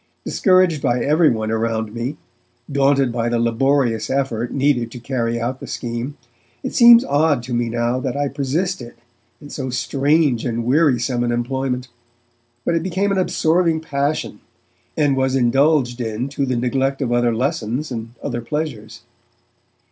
Discouraged by everyone around me, daunted by the laborious effort needful to carry out the scheme, it seems odd to me now that I persisted in so strange and wearisome an employment, but it became an absorbing passion, and was indulged in to the neglect of other lessons and other pleasures.